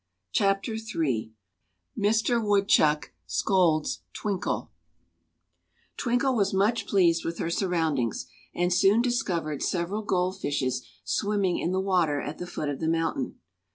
Chapter III Mister Woodchuck Scolds Twinkle TWINKLE was much pleased with her surroundings, and soon discovered several gold fishes swimming in the water at the foot of the fountain.